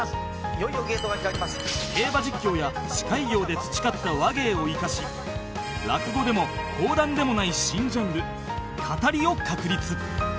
競馬実況や司会業で培った話芸を生かし落語でも講談でもない新ジャンル語りを確立